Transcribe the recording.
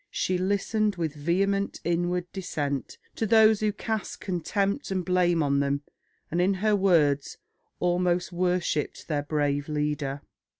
She listened with vehement inward dissent to those who cast contempt and blame on them, and, in her own words, "almost worshipped" their brave leader.